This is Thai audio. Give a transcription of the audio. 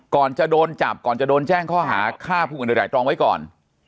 ก่อนจะโดนจับก่อนจะโดนแจ้งข้อหาฆ่าผู้อื่นโดยไตรตรองไว้ก่อน